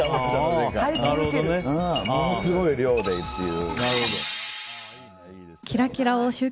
ものすごい量でっていう。